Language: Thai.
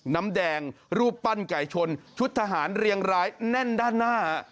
น้ำแดงรูปปั้นไก่ชนชุดทหารเรียงร้ายแน่นด้านหน้า